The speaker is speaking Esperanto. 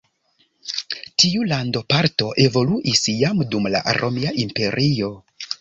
Tiu landoparto evoluis jam dum la Romia Imperio.